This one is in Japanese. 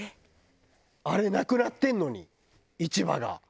あれなくなってんのに市場が。